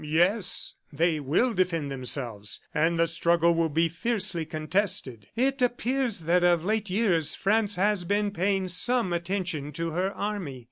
"Yes, they will defend themselves, and the struggle will be fiercely contested. It appears that, of late years, France has been paying some attention to her army.